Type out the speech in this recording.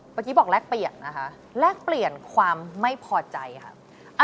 เมื่อกี้บอกแลกเปลี่ยนนะคะแลกเปลี่ยนความไม่พอใจค่ะ